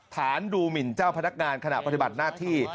ฐานดูหมินเจ้าพนักงานขณะปฏิบัติหน้าที่